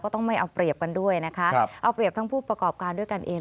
ต้องไม่เอาเปรียบกันด้วยนะคะเอาเปรียบทั้งผู้ประกอบการด้วยกันเอง